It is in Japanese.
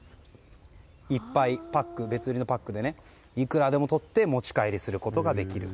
いっぱい、別売りのパックでいくらでも取って持ち帰ることができる。